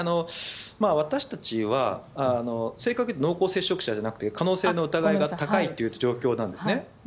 私たちは正確に言うと濃厚接触者じゃなくて可能性の疑いが高いという状況なんですね。